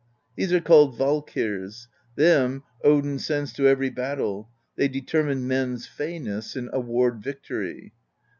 These are called Valkyrs: them Odin sends to every bat tle; they determine men's feyness and award victory.